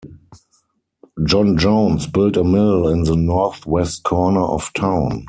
John Jones built a mill in the northwest corner of town.